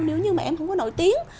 nếu như mà em không có nổi tiếng